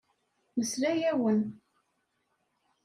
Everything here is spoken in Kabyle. Nesla-awen.